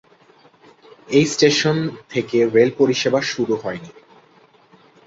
এই স্টেশন থেকে রেল পরিষেবা শুরু হয়নি।